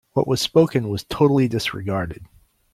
What was spoken was totally disregarded.